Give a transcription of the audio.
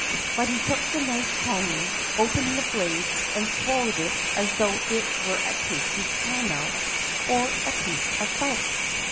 But he took the knife calmly, opened the blades, and swallowed it as though it were a tasty caramel or a piece of fudge.